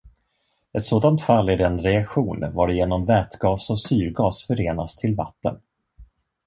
Ett sådant fall är den reaktion, varigenom vätgas och syrgas förenas till vatten.